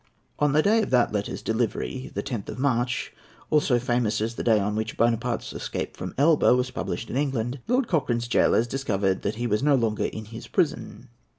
On the day of that letter's delivery, the 10th of March—also famous as the day on which Buonaparte's escape from Elba was published in England—Lord Cochrane's gaolers discovered that he was no longer in his prison.